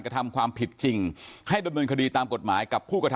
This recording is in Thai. กระทำความผิดจริงให้ดำเนินคดีตามกฎหมายกับผู้กระทำ